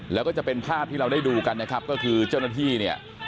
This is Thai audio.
แล้วก็จะเป็นภาพที่เราได้ดูกันนะครับก็คือเจ้าหน้าที่เนี่ย